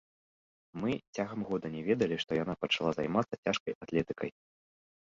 Мы цягам года не ведалі, што яна пачала займацца цяжкай атлетыкай.